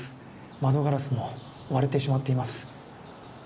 窓ガラスも割れてしまっています。